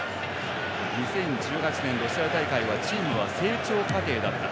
２０１８年、ロシア大会はチームは成長過程だった。